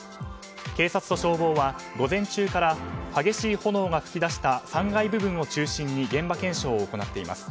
警察と消防は午前中から激しい炎が噴き出した３階部分を中心に現場検証を行っています。